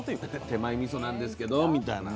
「手前みそなんですけど」みたいな。